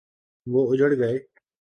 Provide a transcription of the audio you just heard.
وہ اجڑ گئے۔